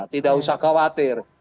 tidak usah khawatir